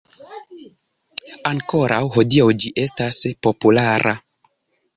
Ankoraŭ hodiaŭ ĝi estas populara.